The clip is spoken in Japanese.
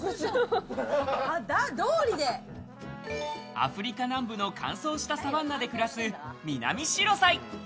アフリカ南部の乾燥したサバンナで暮らすミナミシロサイ。